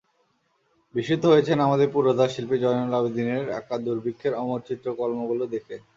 বিস্মিত হয়েছেন আমাদের পুরোধা শিল্পী জয়নুল আবেদিনের আঁকা দুর্ভিক্ষের অমর চিত্রকর্মগুলো দেখে।